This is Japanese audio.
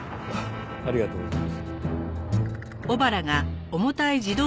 ありがとうございます。